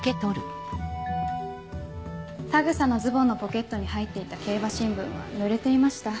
田草のズボンのポケットに入っていた競馬新聞はぬれていました。